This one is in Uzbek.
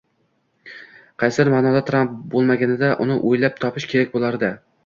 Qaysidir ma’noda, Tramp bo‘lmaganida uni o‘ylab topish kerak bo‘lardi.